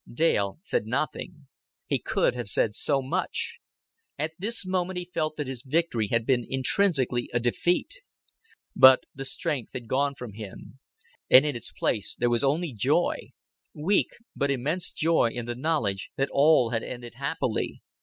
Dale said nothing. He could have said so much. At this moment he felt that his victory had been intrinsically a defeat. But the strength had gone from him; and in its place there was only joy weak but immense joy in the knowledge that all had ended happily.